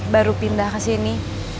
baru pindah ke sini